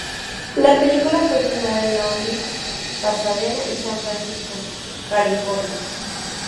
La película fue filmada en Long Beach, Pasadena, y San Francisco, California.